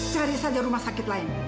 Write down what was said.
cari saja rumah sakit lain